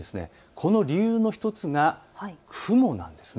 この理由の１つが雲なんです。